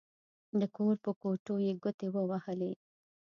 د کور په کوټو يې ګوتې ووهلې.